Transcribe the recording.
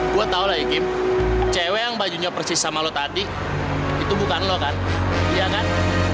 gue tahu lagi kim cewek yang bajunya persis sama lo tadi itu bukan lo kan iya kan